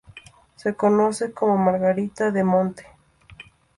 Se conoce como "margarita de monte".